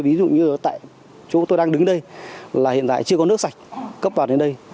ví dụ như tại chỗ tôi đang đứng đây là hiện tại chưa có nước sạch cấp vào đến đây